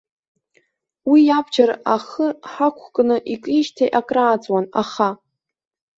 Уи иабџьар ахы ҳақәкны икижьҭеи акрааҵуан, аха.